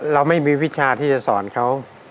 เราไม่มีวิชาที่จะสอนเขา